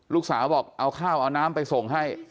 ลูกสาวบอกเอาข้าวเอาน้ำไปส่งให้